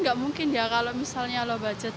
gak mungkin ya kalau misalnya lo budget